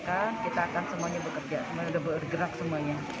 kita akan semuanya bekerja semuanya sudah bergerak semuanya